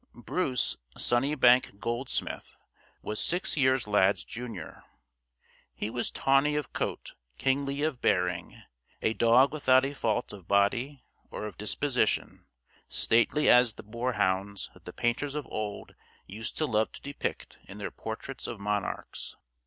Bruce "Sunnybank Goldsmith" was six years Lad's junior. He was tawny of coat, kingly of bearing; a dog without a fault of body or of disposition; stately as the boar hounds that the painters of old used to love to depict in their portraits of monarchs.